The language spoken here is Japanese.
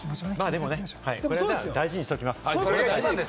ではこれは大事にしておきます。